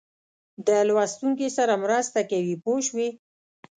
د لوستونکي سره مرسته کوي پوه شوې!.